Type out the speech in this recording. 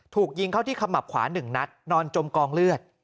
ถูกยิงเข้าที่ขมับขวา๑นัดนอนจมกองเลือด